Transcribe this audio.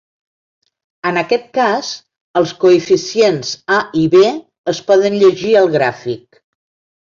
En aquest cas els coeficients a i be es poden llegir al gràfic.